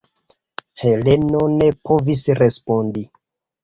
Heleno ne povis respondi.